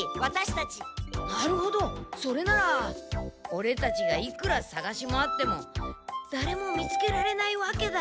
なるほどそれならオレたちがいくらさがし回ってもだれも見つけられないわけだ。